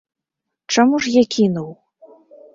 Чаму ж я кінуў?